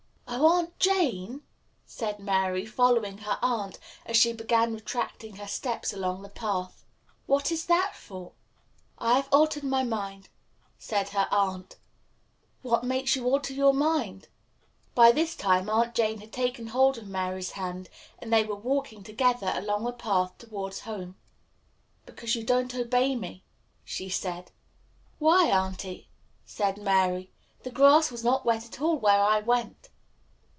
"Oh, Aunt Jane!" said Mary, following her aunt as she began retracing her steps along the path. "What is that for?" "I have altered my mind," said her aunt. "What makes you alter your mind?" By this time Aunt Jane had taken hold of Mary's hand, and they were walking together along the path towards home. "Because you don't obey me," she said. "Why, auntie," said Mary, "the grass was not wet at all where I went."